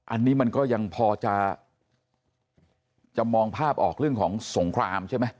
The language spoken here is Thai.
อันนี้มันก็ยังพอจะมองภาพออกเรื่องของสงครามใช่ไหม